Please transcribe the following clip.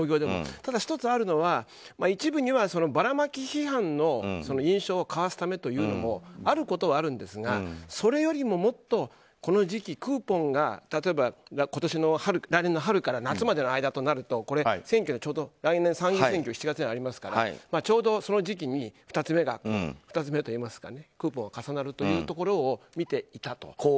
ただ、１つあるのは一部には、ばらまき批判の印象をかわすためというのもあることはあるんですがそれよりも、もっとこの時期クーポンが例えば来年の春から夏までの間となると参議院選挙が７月にありますからちょうど、その時期に２つ目といいますかクーポンが重なるところを見ていたと。